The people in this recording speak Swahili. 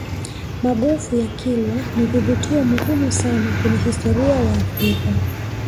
magofu ya kilwa ni vivutio muhimu sana kwenye historia ya africa